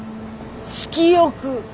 ・色欲！